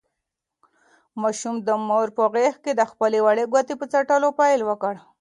ماشوم د مور په غېږ کې د خپلې وړې ګوتې په څټلو پیل وکړ.